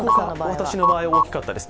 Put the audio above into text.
私の場合は大きかったです。